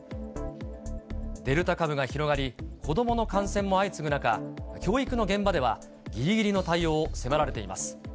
デルタ株が広がり、子どもの感染も相次ぐ中、教育の現場では、ぎりぎりの対応を迫られています。